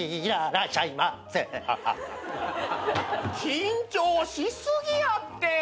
緊張し過ぎやって。